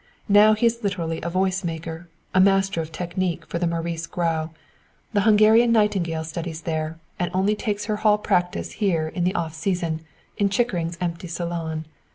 Now he is literally a voice maker, a master of technique for Maurice Grau. The Hungarian nightingale studies there, and only takes her hall practice here in the off season, in Chickering's empty salon.